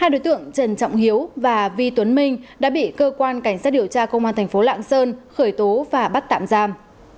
hai đối tượng trần trọng hiếu và vi tuấn minh đã bị cơ quan cảnh sát điều tra công an thành phố lạng sơn khởi tố và bắt tạm giam